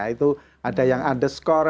itu ada yang underscore